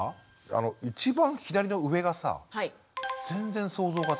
あの一番左の上がさ全然想像がつかない。